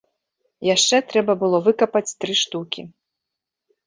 Яшчэ трэба было выкапаць тры штукі.